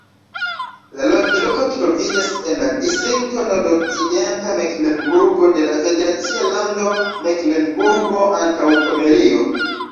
La loĝloko troviĝas en la distrikto Nordokcidenta Meklenburgo de la federacia lando Meklenburgo-Antaŭpomerio.